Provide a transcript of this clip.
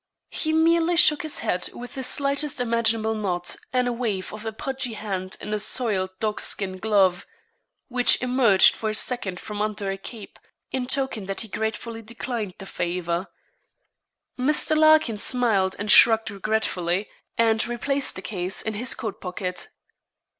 He merely shook his head with the slightest imaginable nod and a wave of a pudgy hand in a soiled dog skin glove, which emerged for a second from under a cape, in token that he gratefully declined the favour. Mr. Larkin smiled and shrugged regretfully, and replaced the case in his coat pocket.